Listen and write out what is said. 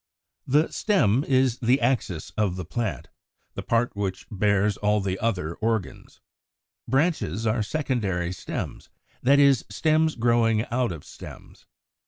88. =The Stem= is the axis of the plant, the part which bears all the other organs. Branches are secondary stems, that is, stems growing out of stems.